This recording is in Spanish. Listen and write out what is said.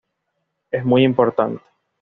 Es muy importante.